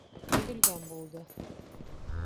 Көлгән булды.